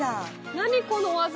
何この技。